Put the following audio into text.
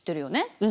うん。